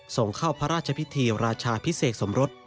ส่งเข้าพระราชพิธีราชาพิเศษสมรส